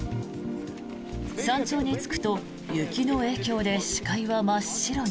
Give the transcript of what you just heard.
山頂に着くと雪の影響で視界は真っ白に。